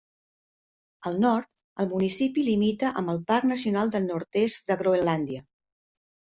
Al nord, el municipi limita amb el Parc Nacional del Nord-est de Groenlàndia.